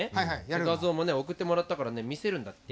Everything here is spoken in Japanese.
画像もね送ってもらったから見せるんだって。